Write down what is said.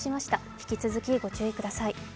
引き続きご注意ください。